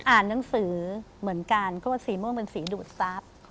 อ่านหนังสือเหมือนกันเพราะว่าสีม่วงเป็นสีดูดทรัพย์